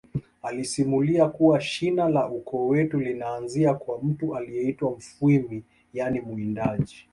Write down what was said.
alisimulia kuwa shina la ukoo wetu linaanzia kwa mtu aliyeitwa mufwimi yaani mwindaji